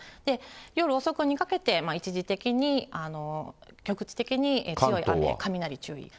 夜遅くにかけて、一時的に、局地的に強い雨、雷注意。